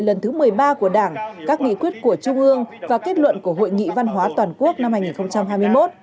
lần thứ một mươi ba của đảng các nghị quyết của trung ương và kết luận của hội nghị văn hóa toàn quốc năm hai nghìn hai mươi một